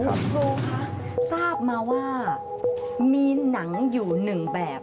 ครูคะทราบมาว่ามีหนังอยู่หนึ่งแบบ